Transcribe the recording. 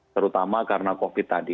terutama karena covid tadi